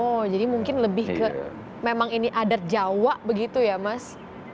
oh jadi mungkin lebih ke memang ini adat jawa begitu ya mas